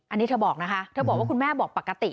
อันนี้เธอบอกนะคะเธอบอกว่าคุณแม่บอกปกติ